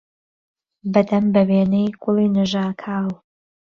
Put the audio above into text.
بهدەن به وێنهی گوڵی نهژاکاو